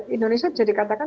indonesia jadi katakan